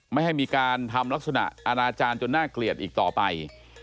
ไม่ให้มีการทำลักษณะอาณาจารย์จนน่าเกลียดอีกต่อไป